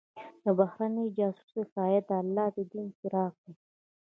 د بهرنۍ جاسوسۍ معافیت د الله دین چراغ دی.